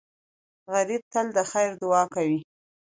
غریب تل د خیر دعا کوي